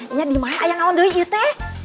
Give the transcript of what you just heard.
ini dimana yang ngawin dulu yute